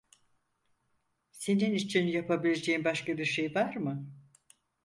Senin için yapabileceğim başka bir şey var mı?